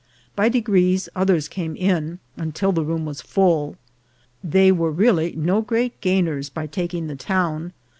By degrees others came in, until the room was full. They were really no great gainers by taking the town.